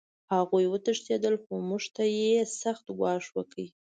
هغوی وتښتېدل خو موږ ته یې سخت ګواښ وکړ